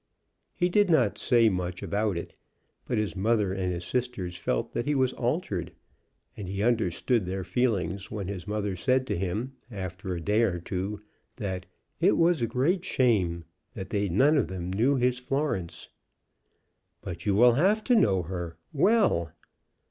He did not say much about it, but his mother and his sisters felt that he was altered; and he understood their feelings when his mother said to him, after a day or two, that "it was a great shame" that they none of them knew his Florence. "But you will have to know her well."